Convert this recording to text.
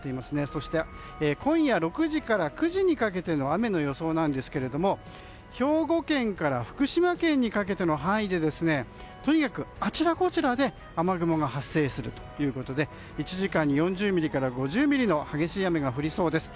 そして今夜６時から９時にかけての雨の予想なんですけれども兵庫県から福島県にかけての範囲でとにかくあちらこちらで雨雲が発生するということで１時間に４０ミリから５０ミリの激しい雨が降りそうです。